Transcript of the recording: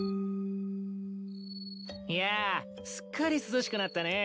いやすっかり涼しくなったね。